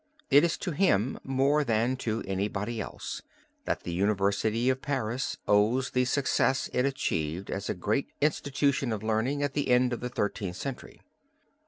It is to him more than to anybody else that the University of Paris owes the success it achieved as a great institution of learning at the end of the Thirteenth Century.